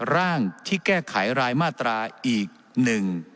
ร่างที่แก้ไขรายมาตราอีกหนึ่ง